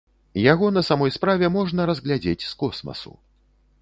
Яго на самой справе можна разглядзець з космасу.